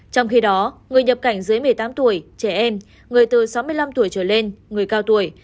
trong khi đó người nhập cảnh dưới một mươi tám tuổi trẻ em người từ sáu mươi năm tuổi trở lên người cao tuổi